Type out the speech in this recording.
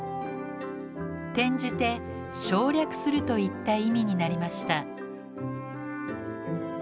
転じて「省略する」といった意味になりました。